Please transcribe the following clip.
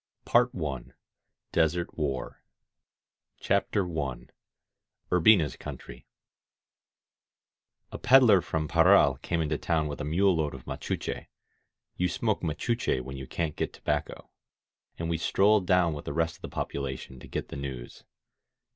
PART ONE DESERT WAR CHAPTER I URBINA'S COUNTRY A PEDDLER from Parral came into town with a mule load of mactbche^ — ^you smoke macuche when you can't get tobacco, — and we strolled down with the rest of the population to get the news.